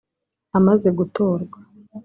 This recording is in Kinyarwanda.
Amaze gutorwa